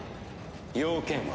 用件は？